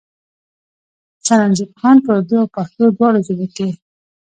سرنزېب خان پۀ اردو او پښتو دواړو ژبو کښې